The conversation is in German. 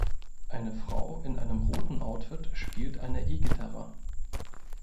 Eine Frau in einem roten Outfit spielt eine E-Gitarre